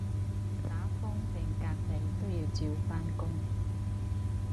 打風定隔離都要照返工